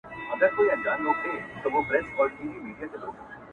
• په توره کار دومره سم نسي مگر..